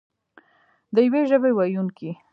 د یوې ژبې ویونکي.